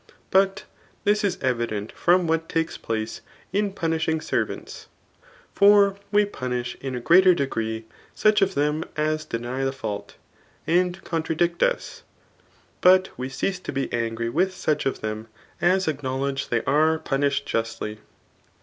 But this is evident from what takes place in punishing ser« vants ; for we punish in a grsater degree such of them a9 deny [the fault,] and contradkt us ; but we cease to be angry with such of them as acknowledge they are 108 THE ART OF BOOK II. punished justly.